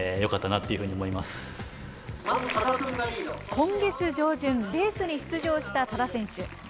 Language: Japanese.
今月上旬、レースに出場した多田選手。